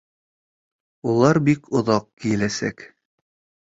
Улар бик оҙаҡ кейеләсәк